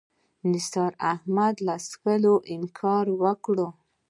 نثار احمدي له څښلو انکار وکړ.